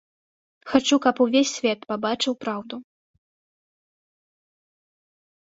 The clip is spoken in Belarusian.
Хачу, каб увесь свет пабачыў праўду.